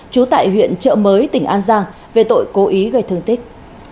trú tại huyện trợ mới tỉnh an giang về tội cố ý gây thương tích